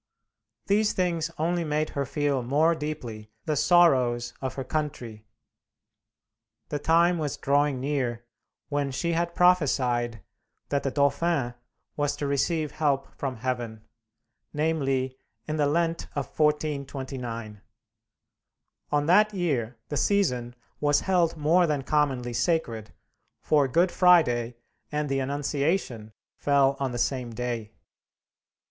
These things only made her feel more deeply the sorrows of her country. The time was drawing near when she had prophesied that the Dauphin was to receive help from heaven namely, in the Lent of 1429. On that year the season was held more than commonly sacred, for Good Friday and the Annunciation fell on the same day.